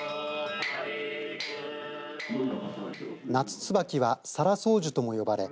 ナツツバキは沙羅双樹とも呼ばれ